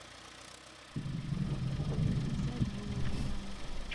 یو نظر يې ووینم